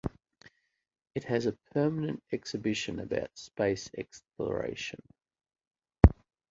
It has a permanent exhibition about space exploration.